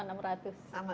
sama enam ratus juga